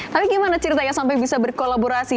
tapi gimana ceritanya sampai bisa berkolaborasi